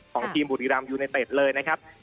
ของทีมบุรีรัมยูเนเต็ดเลยนะครับ